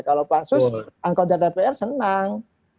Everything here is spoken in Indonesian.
kalau pansus anggota dpr senang